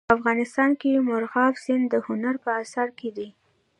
افغانستان کې مورغاب سیند د هنر په اثار کې دی.